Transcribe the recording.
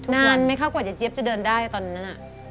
นานไม่เข้ากว่าจะเจี๊ยบจะเดินได้ตอนนั้นน่ะ